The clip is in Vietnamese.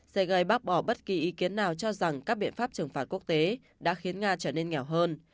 sergei bác bỏ bất kỳ ý kiến nào cho rằng các biện pháp trừng phạt quốc tế đã khiến nga trở nên nghèo hơn